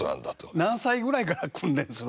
何歳ぐらいから訓練するんですか？